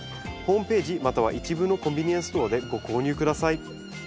ホームページまたは一部のコンビニエンスストアでご購入下さい。